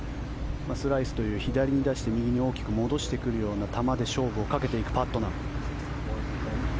スライスという左に出して右に大きく戻していく球で勝負をかけていくパットナム。